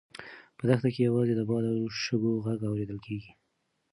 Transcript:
په دښته کې یوازې د باد او شګو غږ اورېدل کېږي.